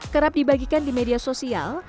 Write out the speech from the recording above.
kerap dibagikan di media sosial